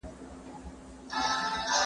زه مخکي بازار ته تللی و؟!